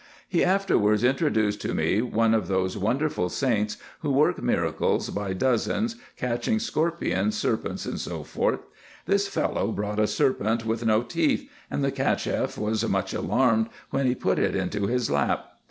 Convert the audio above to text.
He afterwards introduced to me one of those wonderful saints, who work miracles by dozens, catching scorpions, serpents, &c. This fellow brought a serpent with no teeth, and the CachefF was much alarmed when he put it into his lap.